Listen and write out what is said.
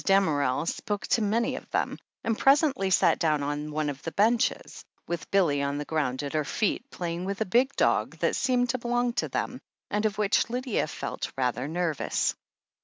Damerel spoke to many of them, and presently sat down on one of the benches, with Billy on the ground at her feet, playing with a big dog that seemed to belong to them, and of which Lydia felt rather nervous.